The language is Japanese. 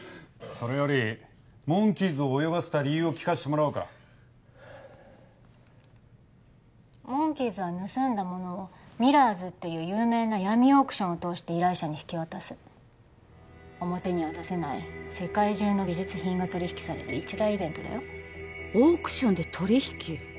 それよりモンキーズを泳がせた理由を聞かせてもらおうかモンキーズは盗んだものをミラーズっていう有名な闇オークションを通して依頼者に引き渡す表には出せない世界中の美術品が取り引きされる一大イベントだよオークションで取り引き？